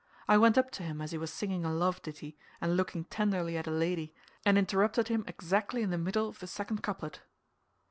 I went up to him as he was singing a love ditty and looking tenderly at a lady, and interrupted him exactly in the middle of the second couplet.